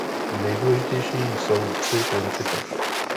Nejdůležitější jsou tři principy.